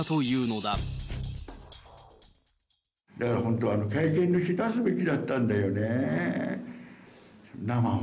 だから本当は会見の日に出すべきだったんだよねー、生を。